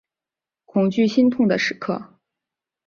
恐惧心痛的时刻